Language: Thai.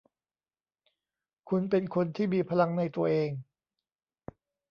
คุณเป็นคนที่มีพลังในตัวเอง